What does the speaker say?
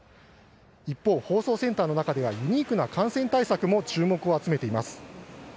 一方、放送センターの中ではユニークな感染対策も注目を集めています。